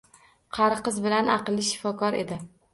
Qariqiz bilan aqlli shifokor edi.